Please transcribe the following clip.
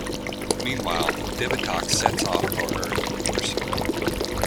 Meanwhile, Divatox sets off for Earth in pursuit.